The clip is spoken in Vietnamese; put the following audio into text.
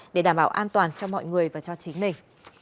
để đảm bảo an toàn cho mọi người và cho chính mình